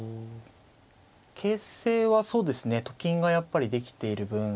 形勢はそうですねと金がやっぱりできている分